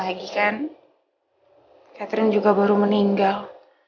lagi kan catherine juga baru meninggal